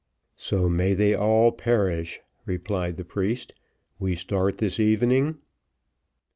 "So may they all perish," replied the priest. "We start this evening?"